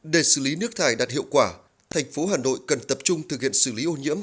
để xử lý nước thải đạt hiệu quả thành phố hà nội cần tập trung thực hiện xử lý ô nhiễm